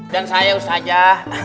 dan saya ustazah